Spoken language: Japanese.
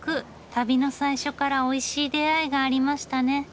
旅の最初からおいしい出会いがありましたね。